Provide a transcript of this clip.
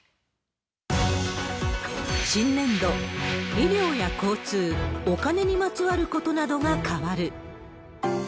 医療や交通、お金にまつわることなどが変わる。